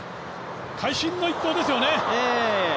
会心の一投ですよね。